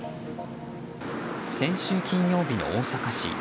先週金曜日の大阪市。